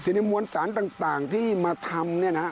ทีนึงมวลสารต่างที่มาทำ